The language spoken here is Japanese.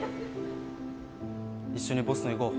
一緒にボストンに行こう。